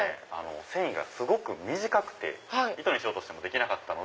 繊維がすごく短くて糸にしようとしてもできなかった。